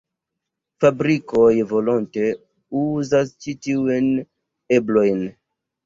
Fabrikoj volonte uzas ĉi tiujn eblojn.